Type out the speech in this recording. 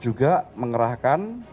juga mengerahkan kendaraan mobil